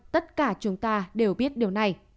tất cả chúng ta đều biết điều này